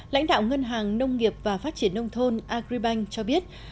lãnh đạo ngân hàng nông nghiệp và phát triển nông thôn agribank cho biết